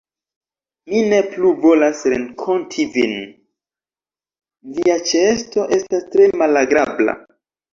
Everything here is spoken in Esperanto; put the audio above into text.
Mi ne plu volas renkonti vin, via ĉeesto estas tre malagrabla.